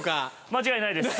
間違いないです。